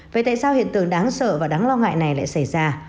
vậy tại sao hiện tượng đáng sợ và đáng lo ngại này lại xảy ra